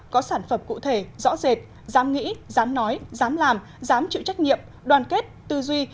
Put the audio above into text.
có sản phẩm cụ thể rõ rệt dám nghĩ dám nói dám làm dám chịu trách nhiệm đoàn kết tư duy